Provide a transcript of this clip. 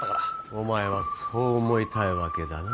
お前はそう思いたいだけだな。